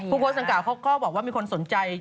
โพสต์ดังกล่าเขาก็บอกว่ามีคนสนใจ